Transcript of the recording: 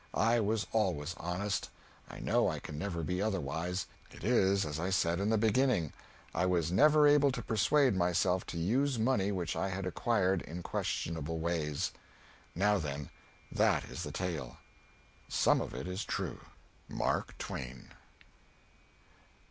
I was always honest; I know I can never be otherwise. It is as I said in the beginning I was never able to persuade myself to use money which I had acquired in questionable ways. Now, then, that is the tale. Some of it is true. MARK TWAIN.